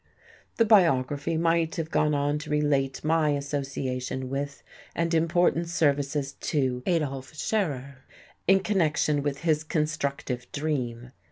The biography might have gone on to relate my association with and important services to Adolf Scherer in connection with his constructive dream.